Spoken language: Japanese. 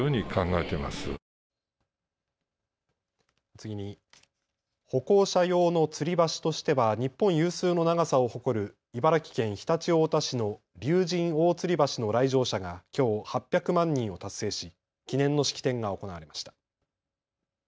次に、歩行者用のつり橋としては日本有数の長さを誇る茨城県常陸太田市の竜神大吊橋の来場者がきょう８００万人を達成し記念の式典が行われました。